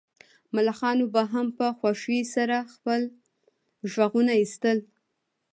ملخانو به هم په خوښۍ سره خپل غږونه ایستل